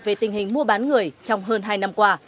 về tình hình mua bán của các bạn